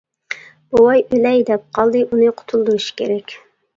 بوۋاي ئۆلەي دەپ قالدى، ئۇنى قۇتۇلدۇرۇش كېرەك.